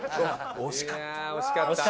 惜しかった。